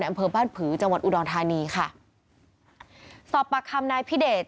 อำเภอบ้านผือจังหวัดอุดรธานีค่ะสอบปากคำนายพิเดช